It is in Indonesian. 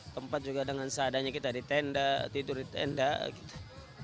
tempat juga dengan seadanya kita di tenda tidur di tenda gitu